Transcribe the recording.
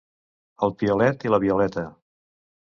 El Piolet i la Violeta.